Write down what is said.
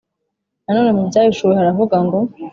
Nanone mu Byahishuwe haravuga ngo